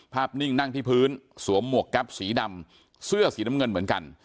นิ่งนั่งที่พื้นสวมหมวกแก๊ปสีดำเสื้อสีน้ำเงินเหมือนกัน